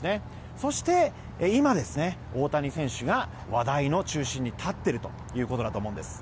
そして今、大谷選手が話題の中心に立っているということだと思います。